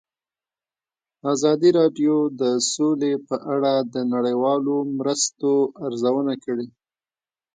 ازادي راډیو د سوله په اړه د نړیوالو مرستو ارزونه کړې.